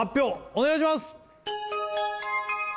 お願いします